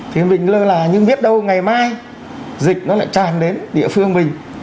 thì mình lơ là nhưng biết đâu ngày mai dịch nó lại tràn đến địa phương mình